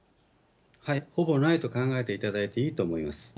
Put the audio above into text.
ほぼないと考えていただいていいと思います。